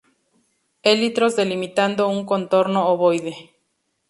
Élitros delimitando un contorno ovoide.